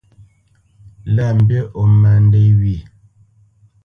Lâ mbî ó má ndê wyê.